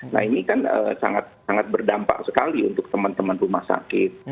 nah ini kan sangat berdampak sekali untuk teman teman rumah sakit